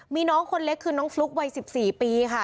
มีน้องคนเล็กคือน้องฟลุ๊กวัย๑๔ปีค่ะ